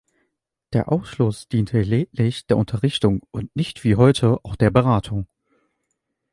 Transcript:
Der Ausschuss diente lediglich der "Unterrichtung" und nicht wie heute auch der "Beratung".